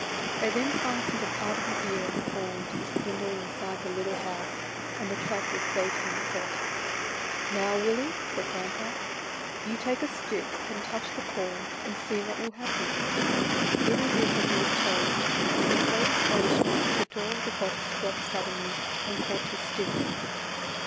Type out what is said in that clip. They then fastened a part of an ear of corn to the spindle inside the little house, and the trap was baited and set. " Now, Willie," said grandpa, " you take a stick and touch the corn and see what will happen." Willie did as he was told, and to his great astonishment the door of the box dropped suddenly and caught the stick.